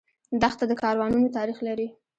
دښته د کاروانونو تاریخ لري.